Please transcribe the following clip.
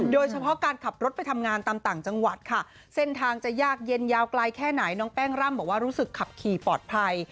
โดยเฉพาะการขับรถไปทำงานตามต่างจังหวัดค่ะเส้นทางจะยากเย็นยาวไกลแค่ไหนน้องแป้งร่ำบอกว่ารู้สึกขับขี่ปลอดภัย